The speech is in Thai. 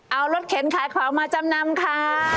เอารถเข็นขายของมาจำนำค่ะ